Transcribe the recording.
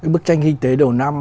bức tranh kinh tế đầu năm